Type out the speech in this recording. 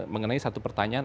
mengenai satu pertanyaan